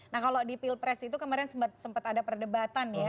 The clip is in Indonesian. nah kalau di pilpres itu kemarin sempat ada perdebatan ya